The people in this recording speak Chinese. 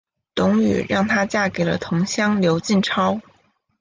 董瑀让她嫁给了同乡刘进超。